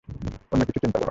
অন্য কিছু চিন্তা করো।